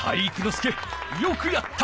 介よくやった！